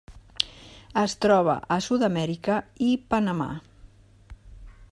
Es troba a Sud-amèrica i Panamà.